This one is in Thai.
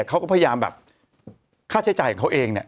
เขาก็พยายามแบบค่าใช้จ่ายของเขาเองเนี่ย